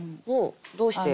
どうして？